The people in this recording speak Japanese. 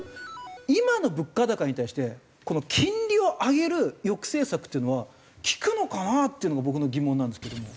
今の物価高に対してこの金利を上げる抑制策っていうのは効くのかな？っていうのが僕の疑問なんですけども。